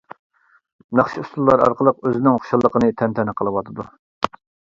ناخشا ئۇسسۇللار ئارقىلىق ئۆزىنىڭ خۇشاللىقىنى تەنتەنە قىلىۋاتىدۇ.